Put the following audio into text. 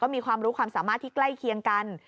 มีความรู้ความสามารถที่ใกล้เคียงกัน